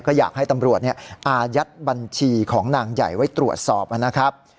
ก็อยากให้ตำรวจอายัดบัญชีของนางใหญ่ไว้ตรวจสอบนะครับ